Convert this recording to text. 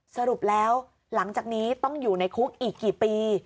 สรุปแล้วหลังจากนี้ต้องอยู่ในคุกอีกกี่ปี